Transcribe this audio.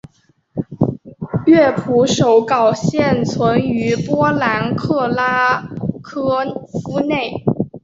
乐谱手稿现存于波兰克拉科夫内。